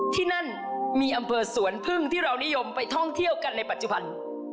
ที่นั่นมีอำเภอสวนพึ่งที่เรานิยมไปท่องเที่ยวกันในปัจจุบัน